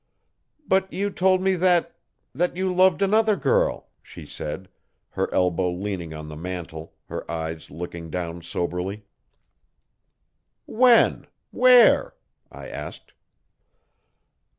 'But you told me that that you loved another girl,' she said, her elbow leaning on the mantel, her eyes looking down soberly. 'When? Where?' I asked.